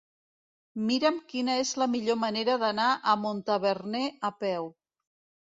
Mira'm quina és la millor manera d'anar a Montaverner a peu.